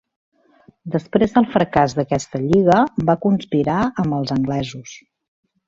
Després del fracàs d'aquesta lliga, va conspirar amb els anglesos.